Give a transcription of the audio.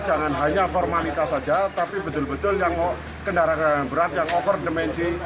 jangan hanya formalitas saja tapi betul betul yang kendaraan kendaraan berat yang over demensi